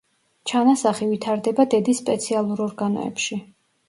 ჩანასახი ვითარდება დედის სპეციალურ ორგანოებში.